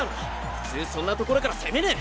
普通そんな所から攻めねえ！